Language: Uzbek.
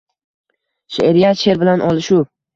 She’riyat – sher bilan olishuv